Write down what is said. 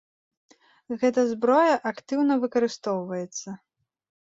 Гэта зброя актыўна выкарыстоўвацца.